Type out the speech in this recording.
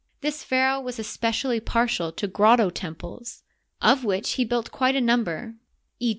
This pharaoh was espe cially partial to grotto temples, of which he built quite a number— e.